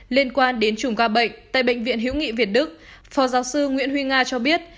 liên quan đến chùm ca bệnh tại bệnh viện hiếu nghị việt đức phó giáo sư nguyễn huy nga cho biết